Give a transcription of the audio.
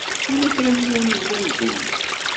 Yella kra n yiwen i yellan dinna?